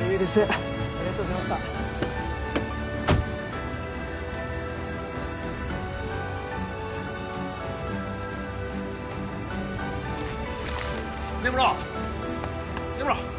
余裕ですありがとうございました根室根室